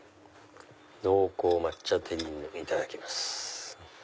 濃厚抹茶テリーヌいただきます。